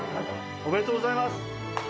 おめでとうございます！